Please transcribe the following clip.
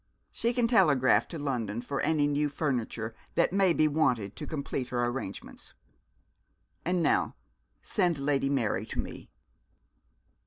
She can telegraph to London for any new furniture that may be wanted to complete her arrangements. And now send Lady Mary to me.'